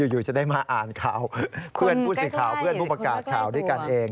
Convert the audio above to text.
อยู่จะได้มาอ่านข่าวเพื่อนผู้สื่อข่าวเพื่อนผู้ประกาศข่าวด้วยกันเอง